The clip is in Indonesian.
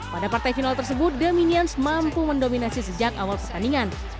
pada partai final tersebut the minions mampu mendominasi sejak awal pertandingan